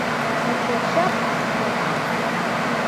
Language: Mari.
Моткочак сай!